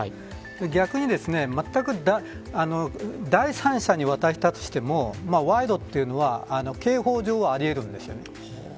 逆に、まったく第三者に渡したとしても賄賂というのは刑法上はありえるんですね。